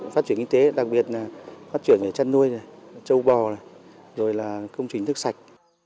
phát triển kinh tế đặc biệt là phát triển chăn nuôi châu bò công trình thức sạch